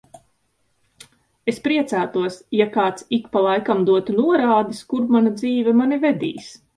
Es priecātos, ja kāds ik pa laikam dotu norādes, kur mana dzīve mani vedīs.